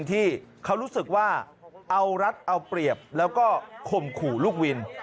ที่เขารู้สึกว่าเอารัฐเอาเปรียบแล้วก็ข่มขู่ลูกวิน